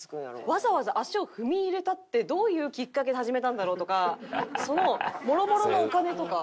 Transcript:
わざわざ足を踏み入れたってどういうきっかけで始めたんだろう？とかそのもろもろのお金とか。